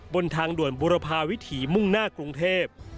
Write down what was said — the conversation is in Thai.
บนทางด่วนบุรพาวิถีมุ่งหน้ากรุงเทพ